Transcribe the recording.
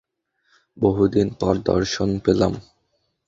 বহুদিন পর দর্শন পেলাম।